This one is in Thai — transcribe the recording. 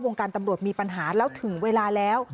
การตำรวจมีปัญหาแล้วถึงเวลาแล้ว